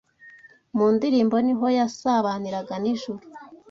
mu ndirimbo ni ho yasabaniraga n’ijuru.